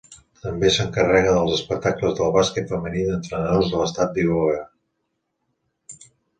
També s'encarrega dels espectacles del bàsquet femení i d'entrenadors de l'estat d'Iowa.